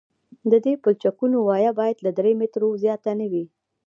د دې پلچکونو وایه باید له درې مترو زیاته نه وي